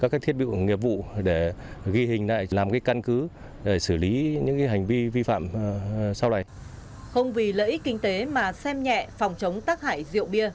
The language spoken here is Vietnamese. không vì lợi ích kinh tế mà xem nhẹ phòng chống tắc hại rượu bia